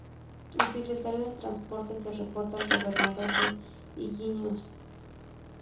El secretario de transporte se reporta al Gobernador de Illinois.